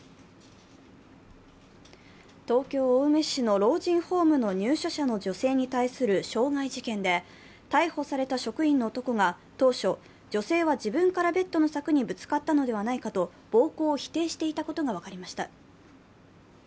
東京・青梅市の老人ホームの入所者の女性に対する傷害事件で、逮捕された職員の男が当初、女性は自分からベッドの柵にぶつかったのではないかと暴行を否定していたことが分かりました。